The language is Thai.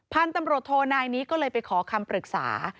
พันธุ์ตำรวจโทนายนี้ก็เลยไปขอคำปรึกษา